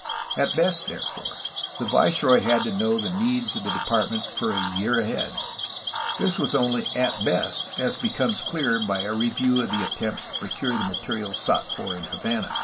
At best, therefore, the viceroy had to know the needs of the Department for a year ahead. This was only "at best," as becomes clear by a re view of the attempts to procure the materials sought for in Havana.